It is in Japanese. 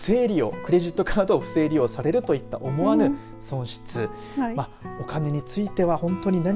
クレジットカードを不正利用されるといった思わぬ損失。